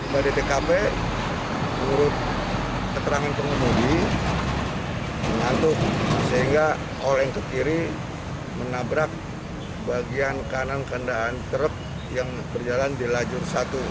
dari tkp menurut keterangan pengemudi mengantuk sehingga oleng ke kiri menabrak bagian kanan kendaraan truk yang berjalan di lajur satu